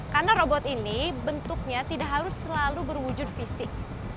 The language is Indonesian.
karena robot ini bentuknya tidak harus selalu berwujud fisik